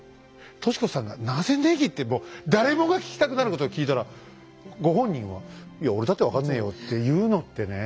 敏子さんが「なぜネギ？」ってもう誰もが聞きたくなることを聞いたらご本人は「いや俺だって分かんねえよ」っていうのってね